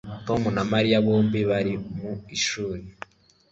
Tom na Mariya bombi bari mu ishuri